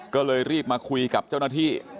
ก็เลยรีบมาคุยกับเจ้าหน้าที่